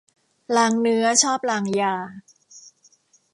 ลางเนื้อชอบลางยา